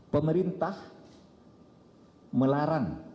pemerintah melarang aktivitas fpi